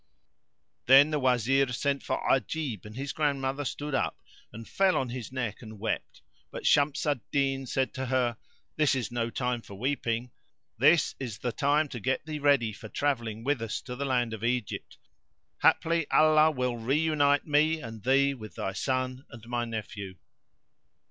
Then the Wazir sent for Ajib and his grandmother stood up and fell on his neck and wept; but Shams al Din said to her, "This is no time for weeping; this is the time to get thee ready for travelling with us to the land of Egypt; haply Allah will reunite me and thee with thy son and my nephew."